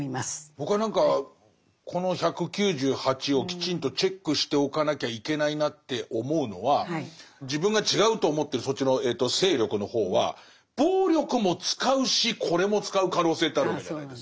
僕は何かこの１９８をきちんとチェックしておかなきゃいけないなって思うのは自分が違うと思ってるそっちの勢力の方は暴力も使うしこれも使う可能性ってあるわけじゃないですか。